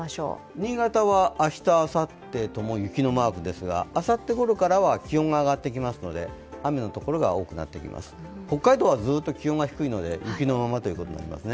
新潟は明日、あさってとも雪のマークですが、あさってごろからは気温が上がってきますので、雨の所が多くなってきます、北海道はずっと気温が低いので雪のままということになりますね